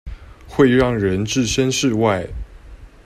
會讓人置身事外